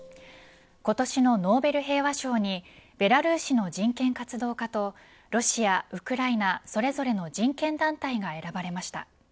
今年のノーベル平和賞にベラルーシの人権活動家とロシア、ウクライナそれぞれの人権団体が選ばれました。